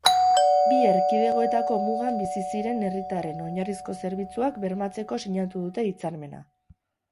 Bi erkidegoetako mugan bizi diren herritarren oinarrizko zerbitzuak bermatzeko sinatu dute hitzarmena.